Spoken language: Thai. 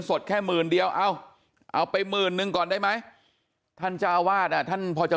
สดแค่หมื่นเดียวเอาเอาไปหมื่นนึงก่อนได้ไหมท่านเจ้าวาดอ่ะท่านพอจะ